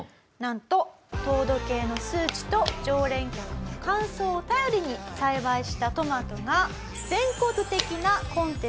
なんと糖度計の数値と常連客の感想を頼りに栽培したトマトが。